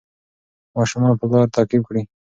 ماشومان به لار تعقیب کړي.